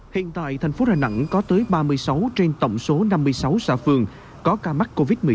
hiện tại thành phố đà nẵng có tới ba mươi sáu trên tổng số năm mươi sáu xã phường có ca mắc covid một mươi chín